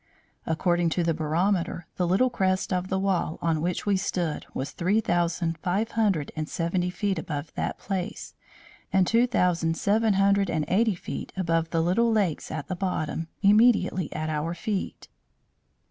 According to the barometer, the little crest of the wall on which we stood was three thousand five hundred and seventy feet above that place, and two thousand seven hundred and eighty feet above the little lakes at the bottom, immediately at our feet.